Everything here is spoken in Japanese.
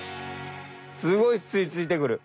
すごいすいついてくる。